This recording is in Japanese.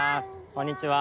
こんにちは。